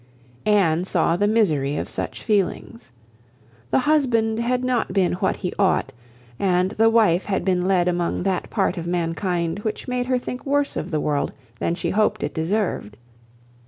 Anne saw the misery of such feelings. The husband had not been what he ought, and the wife had been led among that part of mankind which made her think worse of the world than she hoped it deserved.